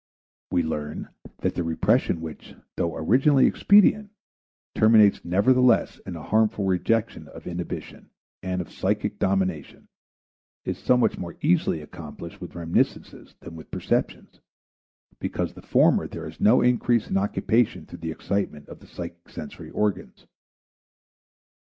We learn that the repression which, though originally expedient, terminates nevertheless in a harmful rejection of inhibition and of psychic domination, is so much more easily accomplished with reminiscences than with perceptions, because in the former there is no increase in occupation through the excitement of the psychic sensory organs.